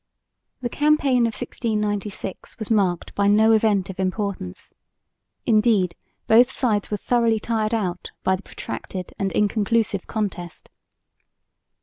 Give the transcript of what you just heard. The campaign of 1696 was marked by no event of importance; indeed both sides were thoroughly tired out by the protracted and inconclusive contest.